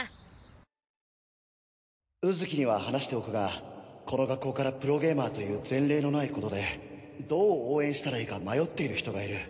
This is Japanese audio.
マエケン：卯月には話しておくがこの学校からプロゲーマーという前例のないことでどう応援したらいいか迷ってる人がいる。